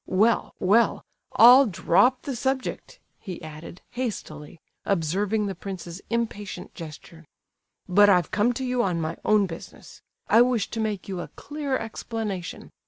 Well, well, I'll drop the subject!" he added, hastily, observing the prince's impatient gesture. "But I've come to you on my own business; I wish to make you a clear explanation.